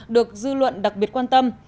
được dư luận đặc biệt quan tâm